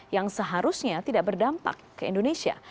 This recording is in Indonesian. yang seharusnya tidak berdampak ke indonesia